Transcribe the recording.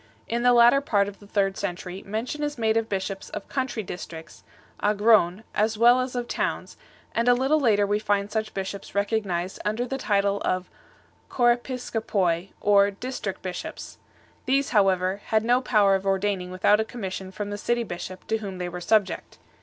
In the latter part of the third century mention is made of bishops of country districts (aypwv*) as well as of towns, and a little later we find such bishops recognized under the title of ^wpe jrio KOTroi, or district bishops ; these, however, had no power of ordaining without a commission from the city bishop to whom they were subject 5